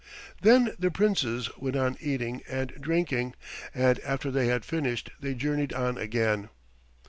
Then the Princes went on eating and drinking, and after they had finished they journeyed on again.